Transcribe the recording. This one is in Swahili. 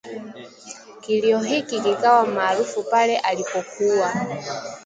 Kilio hiki kikawa maarufu pale alipokuwa